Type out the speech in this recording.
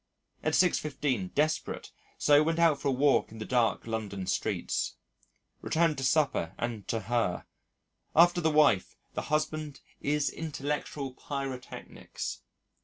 At 6.15 desperate, so went out for a walk in the dark London streets. Returned to supper and to Her. After the wife, the husband is intellectual pyrotechnics.